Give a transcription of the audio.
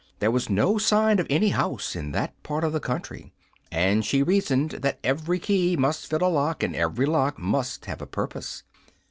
There was no sign of any house in that part of the country, and she reasoned that every key must fit a lock and every lock must have a purpose.